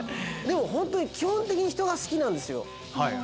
でもホントに基本的に人が好きなんですよ。